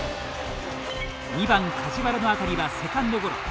２番梶原の当たりはセカンドゴロ。